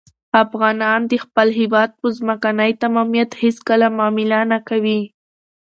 افغانان د خپل هېواد په ځمکنۍ تمامیت هېڅکله معامله نه کوي.